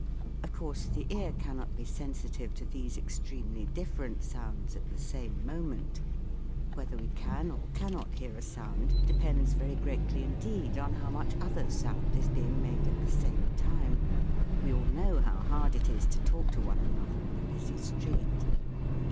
Of course the ear cannot be sensitive to these extremely different sounds at 142 THE WORLD OF SOUND the same moment : whether we can or cannot hear a sound depends very greatly indeed on how much other sound is being made at the same time. We all know how hard it is to talk to one another in a busy street.